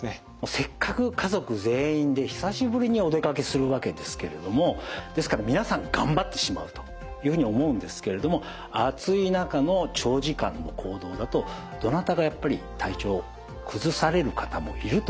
せっかく家族全員で久しぶりにお出かけするわけですけれどもですから皆さん頑張ってしまうというふうに思うんですけれども暑い中の長時間の行動だとどなたかやっぱり体調を崩される方もいると思うんですね。